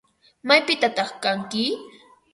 ¿Maypitataq kanki?